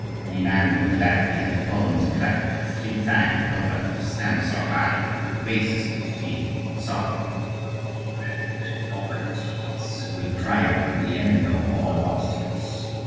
Any man would gladly have his bones cracked three times over to stand so high in the good graces of this dear sovereign,—a grand and noble genius, who will triumph in the end over all obstacles.